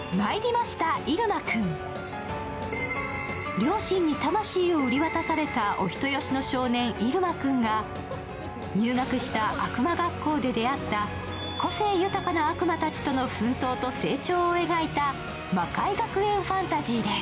両親に魂を売り渡されたお人好しの少年、入間君が入学した悪魔学校で出会った個性豊かな悪魔たちとの奮闘と成長を描いた魔界学園ファンタジーです。